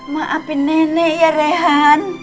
maafin nenek ya rehan